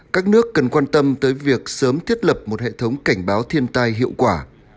các nước cần quan tâm tới việc sớm thiết lập một hệ thống cảnh báo thiên tai hiệu quả